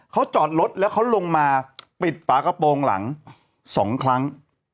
เขาจอดรถแล้วเขาลงมาปิดฝากระโปรงหลัง๒ครั้ง